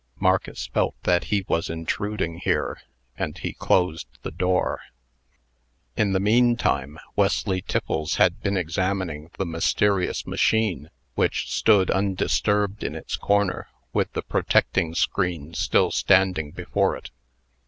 Marcus felt that he was intruding here, and he closed the door. In the mean time, Wesley Tiffles had been examining the mysterious machine, which stood undisturbed in its corner, with the protecting screen still standing before it.